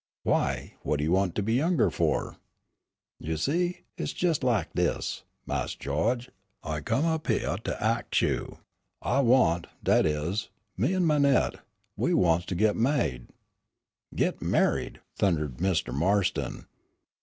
"Why, what do you want to be younger for?" "You see, hit's jes' lak dis, Mawse Gawge. I come up hyeah to ax you I want dat is me an' Manette, we wants to git ma'ied." "Get married!" thundered Marston.